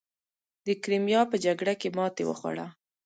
د کریمیا په جګړه کې ماتې وخوړه.